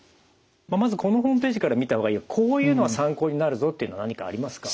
まずこのホームページから見た方がいいよこういうのは参考になるぞっていうのは何かありますか？